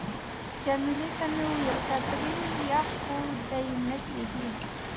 جميله ته مې وویل: کاترین، یخ خو دې نه کېږي؟